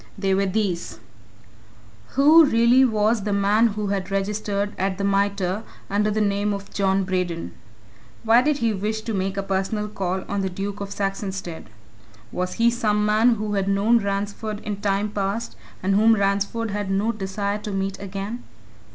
They were these: 1. Who, really, was the man who had registered at the Mitre under the name of John Braden? 2. Why did he wish to make a personal call on the Duke of Saxonsteade? 3. Was he some man who had known Ransford in time past and whom Ransford had no desire to meet again?